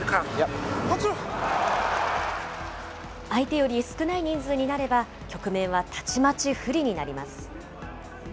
相手より少ない人数になれば、局面はたちまち不利になります。